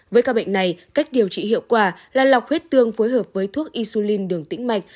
với ca bệnh này cách điều trị hiệu quả là lọc huyết tương phối hợp với thuốc isulim đường tĩnh mạch